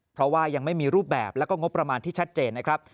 เพราะว่ายังไม่มีรูปแบบแล้วก็งบประมาณที่ชัดเจนนะครับ